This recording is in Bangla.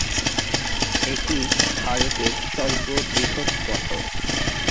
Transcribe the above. এটি ভারতের সর্ববৃহৎ পতন।